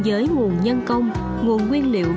dân công nguồn nguyên liệu